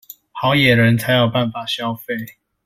好野人才有辦法消費